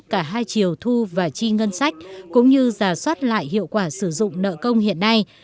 cả hai chiều thu và chi ngân sách cũng như giả soát lại hiệu quả sử dụng nợ công hiện nay